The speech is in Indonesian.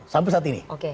sampai saat ini